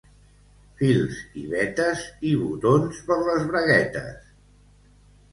—Fils i vetes i botons per les braguetes.